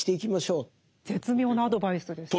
絶妙なアドバイスですよね。